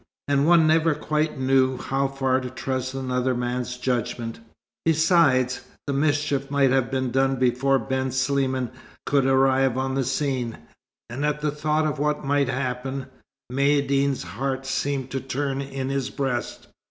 And one never quite knew how far to trust another man's judgment. Besides, the mischief might have been done before Ben Sliman could arrive on the scene; and at the thought of what might happen, Maïeddine's heart seemed to turn in his breast.